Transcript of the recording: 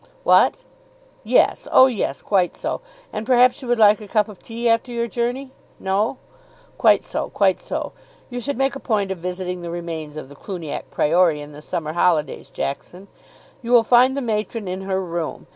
"What? Yes. Oh, yes. Quite so. And perhaps you would like a cup of tea after your journey? No? Quite so. Quite so. You should make a point of visiting the remains of the Cluniac Priory in the summer holidays, Jackson. You will find the matron in her room.